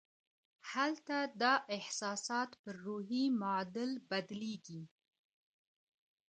هلته دا احساسات پر روحي معادل بدلېږي